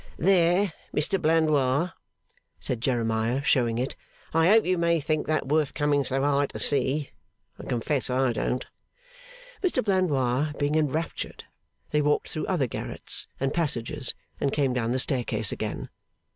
'There, Mr Blandois!' said Jeremiah, showing it, 'I hope you may think that worth coming so high to see. I confess I don't.' Mr Blandois being enraptured, they walked through other garrets and passages, and came down the staircase again.